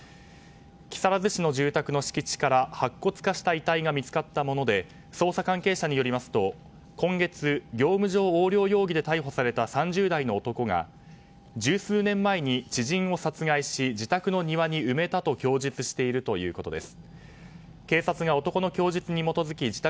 木更津市の住宅の敷地から白骨化した遺体が見つかったもので捜査関係者によりますと今月、業務上横領容疑で逮捕された３０代の男が十数年前に知人を殺害し自宅の庭に埋めたと供述しているということです。